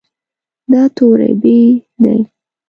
دا توری "ب" دی.